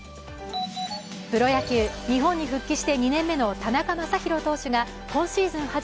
プロ野球、日本に復帰して２年目の田中将大投手が今シーズン